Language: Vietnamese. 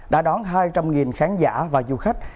đã đón hai trăm linh khán giả và du khách